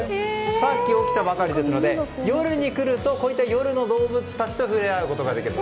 さっき起きたばかりですので夜に来ると夜の動物たちと触れ合うことができる。